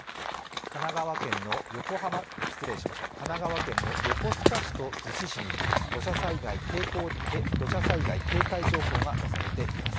神奈川県の横須賀市と逗子市に土砂災害警戒情報が出されています。